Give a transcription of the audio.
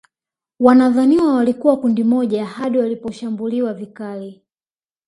Wanadhaniwa walikuwa kundi moja hadi waliposhambuliwa vikali